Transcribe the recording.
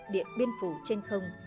điện biên phủ trên không